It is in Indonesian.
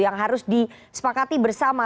yang harus disepakati bersama